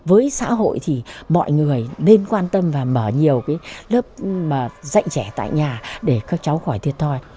với xã hội thì mọi người nên quan tâm và mở nhiều cái lớp dạy trẻ tại nhà để các cháu khỏi thiệt thòi